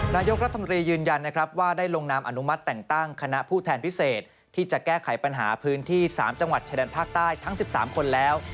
นายกรัฐมนตรียืนยันนะครับว่าได้ลงนามอนุมัติแต่งตั้งคณะผู้แทนพิเศษที่จะแก้ไขปัญหาพื้นที่๓จังหวัดชายแดนภาคใต้ทั้ง๑๓คนแล้ว